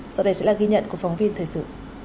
sau đây sẽ là ghi nhận của phóng viên thời sự